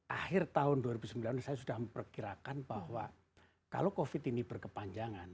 akhir tahun dua ribu sembilan saya sudah memperkirakan bahwa kalau covid ini berkepanjangan